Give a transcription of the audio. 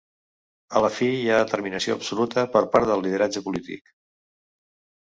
A la fi hi ha determinació absoluta per part del lideratge polític.